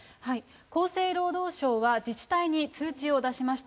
厚生労働省は自治体に通知を出しました。